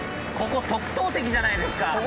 ここ特等席じゃないですか！